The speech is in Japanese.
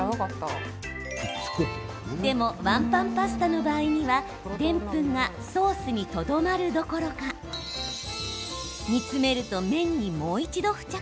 でも、ワンパンパスタの場合にはでんぷんがソースにとどまるどころか煮詰めると麺にもう一度、付着。